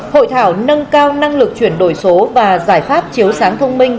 hội thảo nâng cao năng lực chuyển đổi số và giải pháp chiếu sáng thông minh